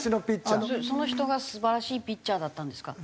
その人が素晴らしいピッチャーだったんですか？